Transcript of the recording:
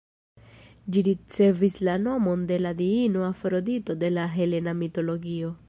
Ĝi ricevis la nomon de la diino Afrodito de la helena mitologio.